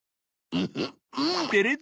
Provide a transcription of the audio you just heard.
うん！